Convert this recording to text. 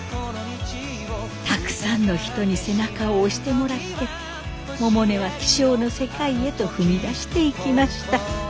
たくさんの人に背中を押してもらって百音は気象の世界へと踏み出していきました。